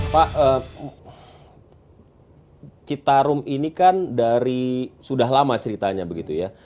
pak citarum ini kan dari sudah lama ceritanya begitu ya